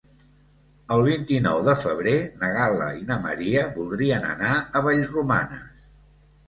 El vint-i-nou de febrer na Gal·la i na Maria voldrien anar a Vallromanes.